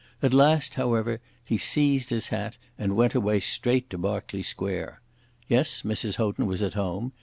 At last, however, he seized his hat and went away straight to Berkeley Square. Yes, Mrs. Houghton was at home.